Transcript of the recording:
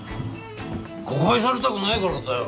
誤解されたくないからだよ。